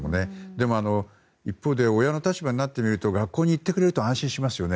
でも、一方で親の立場になってみると学校に行ってくれると安心しますよね。